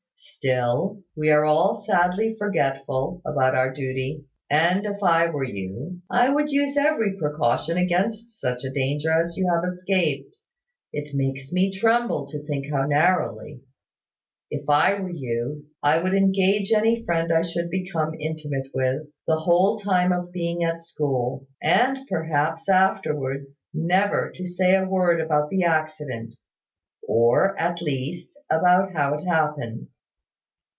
Still, we are all sadly forgetful about our duty; and, if I were you, I would use every precaution against such a danger as you have escaped, it makes me tremble to think how narrowly. If I were you, I would engage any friend I should become intimate with, the whole time of being at school, and perhaps afterwards, never to say a word about the accident, or, at least, about how it happened.